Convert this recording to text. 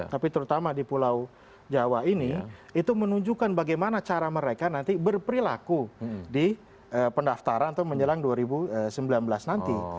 tapi terutama di pulau jawa ini itu menunjukkan bagaimana cara mereka nanti berperilaku di pendaftaran atau menjelang dua ribu sembilan belas nanti